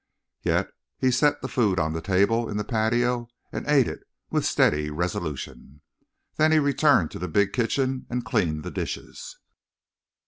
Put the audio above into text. Yet he set the food on the table in the patio and ate it with steady resolution. Then he returned to the big kitchen and cleansed the dishes.